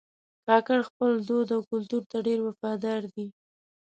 کاکړي خپل دود او کلتور ته ډېر وفادار دي.